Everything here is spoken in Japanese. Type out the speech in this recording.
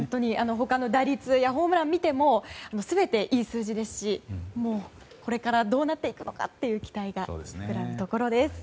他の打率やホームランを見ても全ていい数字ですしこれからどうなっていくのかと期待が膨らむところです。